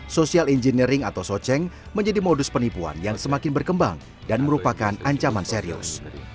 social engineering atau soceng menjadi modus penipuan yang semakin berkembang dan merupakan ancaman serius